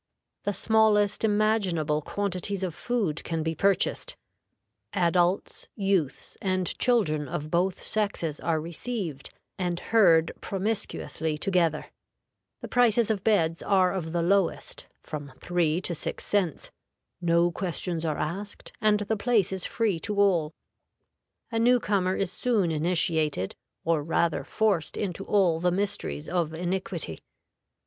The smallest imaginable quantities of food can be purchased; adults, youths, and children of both sexes are received, and herd promiscuously together; the prices of beds are of the lowest (from three to six cents); no questions are asked, and the place is free to all. A new comer is soon initiated, or rather forced into all the mysteries of iniquity.